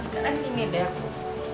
sekarang gini deh aku